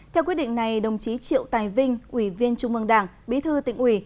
theo quyết định này đồng chí triệu tài vinh ủy viên trung mương đảng bí thư tỉnh ủy